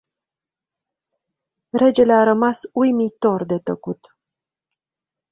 Regele a rămas uimitor de tăcut.